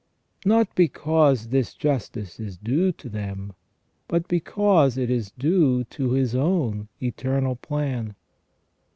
Not because this justice is due to them, but because it is due to His own eternal plan.